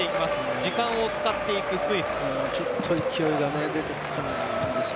時間を使っていくスイス。